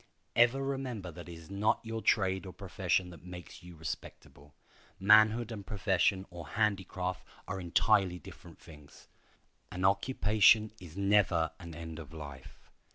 Ever remember that it is not your trade or profession that makes you respectable. Manhood and profession or handicraft are entirely different things. An occupation is never an end of life.